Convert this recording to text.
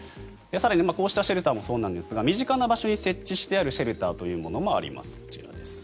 更に、こうしたシェルターもそうなんですが身近な場所に設置してあるシェルターというものもあります。